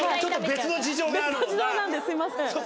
別の事情なんですいません。